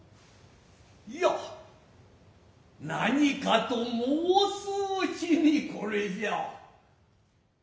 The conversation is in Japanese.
いや何かと申すうちに是ぢや。